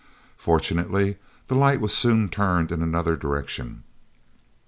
Fortunately, the light was soon turned in another direction.